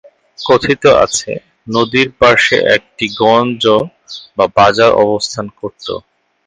কথিত আছে, নদীর পার্শ্বে একটি গঞ্জ বা বাজার অবস্থান করতো।